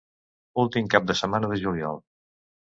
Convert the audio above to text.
Últim cap de setmana de juliol.